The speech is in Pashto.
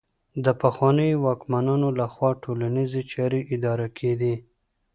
د پخوانيو واکمنانو لخوا ټولنيزې چارې اداره کيدې.